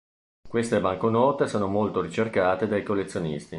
Queste banconote sono molto ricercate dai collezionisti.